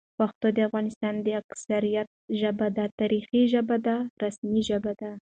پښتو د افغانستان د اکثریت ژبه ده، تاریخي ژبه ده، رسمي ژبه ده